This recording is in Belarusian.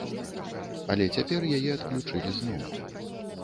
Але цяпер яе адключылі зноў.